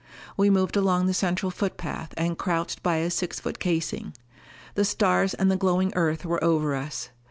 We moved along the central footpath and crouched by a six foot casing. The stars and the glowing Earth were over us.